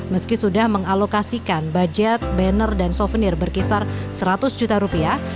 meski sudah mengalokasikan budget banner dan souvenir berkisar seratus juta rupiah